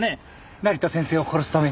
成田先生を殺すために。